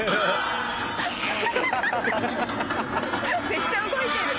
めっちゃ動いてる」「」